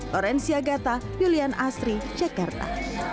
lorenzi agata julian astri cekerta